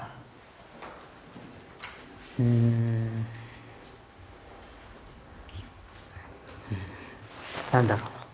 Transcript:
うん何だろう？